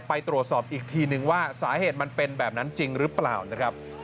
ไปตรวจสอบอีกทีนึงว่าสาเหตุมันเป็นแบบนั้นจริงหรือเปล่านะครับ